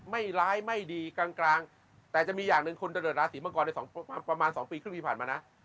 ไม่ร้ายไม่ดีกลางแต่จะมีอย่างหนึ่งคนจะเกิดราศีมังกรในประมาณ๒ปีครึ่งปีผ่านมานะ